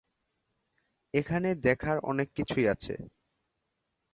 এখানে দেখার অনেক কিছুই আছে।